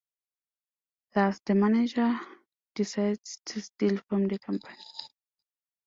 Thus the manager decides to steal from the company.